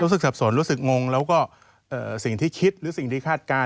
สับสนรู้สึกงงแล้วก็สิ่งที่คิดหรือสิ่งที่คาดการณ